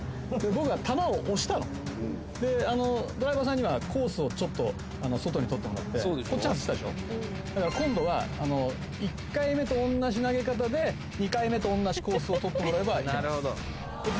僕は球を押したのでドライバーさんにはコースをちょっと外にとってもらってこっち外したでしょだから今度は１回目と同じ投げ方で２回目と同じコースをとってもらえばいけます